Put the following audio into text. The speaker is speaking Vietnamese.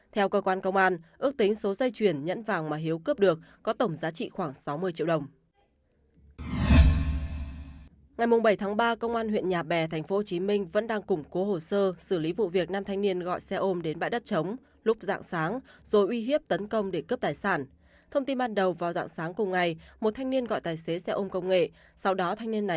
theo cơ quan công an ước tính số dây chuyền nhẫn vàng mà hiếu cướp được có tổng giá trị khoảng sáu mươi triệu đồng